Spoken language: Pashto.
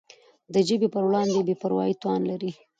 د ژبي پر وړاندي بي پروایي تاوان لري.